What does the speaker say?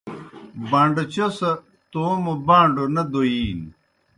بان٘ڈچوْ سہ توموْ باݩڈو نہ دویِینوْ۔